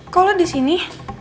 kau lo disini